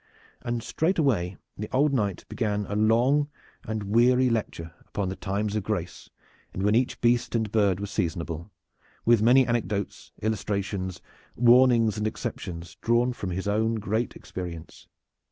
And straightway the old Knight began a long and weary lecture upon the times of grace and when each beast and bird was seasonable, with many anecdotes, illustrations, warnings and exceptions, drawn from his own great experience.